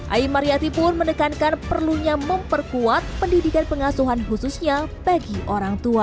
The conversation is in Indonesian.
aimaryati pun mendekankan perlunya memperkuat pendidikan pengasuhan khususnya bagi orang tua